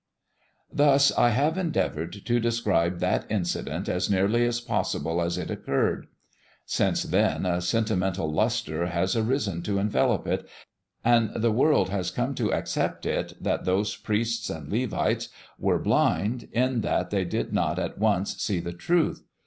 Thus I have endeavored to describe that incident as nearly as possible as it occurred. Since then a sentimental lustre has arisen to envelop it, and the world has come to accept it that those priests and Levites were blind in that they did not at once see the truth.